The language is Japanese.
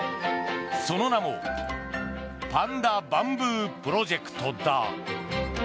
その名もパンダバンブープロジェクトだ。